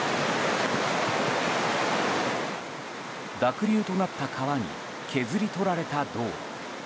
濁流となった川に削り取られた道路。